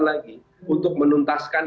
lagi untuk menuntaskan